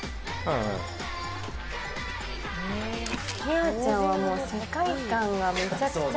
リオちゃんはもう世界観がめちゃくちゃ。